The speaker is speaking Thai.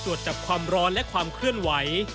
ตรวจจับความร้อนและความเคลื่อนไหว